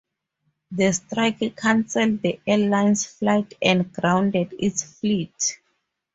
The strike cancelled the airline's flights and grounded its fleet.